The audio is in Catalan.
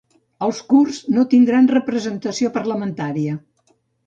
Els kurds no tindran representació parlamentària